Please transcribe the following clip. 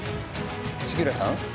杉浦さん？